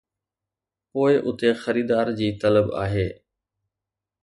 پوء اتي خريدار جي طلب آهي